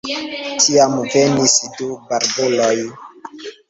Tiam venis du barbuloj.